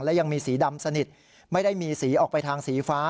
และยังมีสีดำสนิทไม่ได้มีสีออกไปทางสีฟ้า